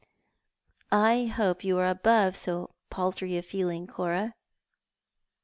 " I hope you are above so paltry a feeling, Cora."